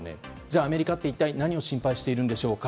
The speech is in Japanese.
アメリカって一体、何を心配しているんでしょうか。